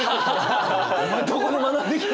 お前どこで学んできた？